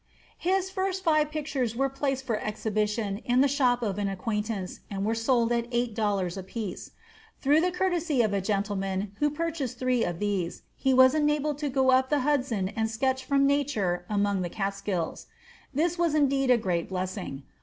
His first five pictures were placed for exhibition in the shop of an acquaintance, and were sold at eight dollars apiece. Through the courtesy of a gentleman who purchased three of these, he was enabled to go up the Hudson and sketch from nature among the Catskills. This was indeed a great blessing.